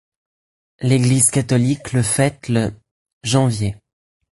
L'Église catholique le fête le janvier.